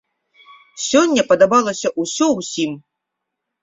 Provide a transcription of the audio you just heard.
Сёння падабалася ўсё ўсім.